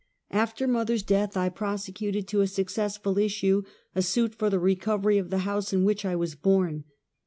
Aftee mother's death, I prosecuted to a successful issue a suit for the recovery of the house in which I was born.